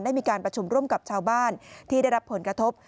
มีการประชุมร่วมกับชาวบ้านที่ได้รับผลกระทบ